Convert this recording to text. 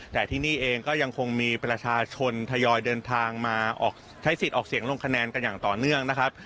แต่ที่นี่เองก็ยังคงมีประชาชนทยอยเดินทางมาใช้สิทธิ์ออกเสียงลงคะแนนกันอย่างต่อเนื่องนะครับ